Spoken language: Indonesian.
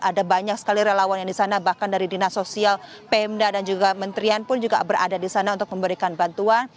ada banyak sekali relawan yang di sana bahkan dari dinas sosial pemda dan juga menterian pun juga berada di sana untuk memberikan bantuan